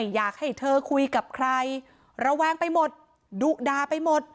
อยากให้เธอคุยกับใครระแวงไปหมดดุดาไปหมด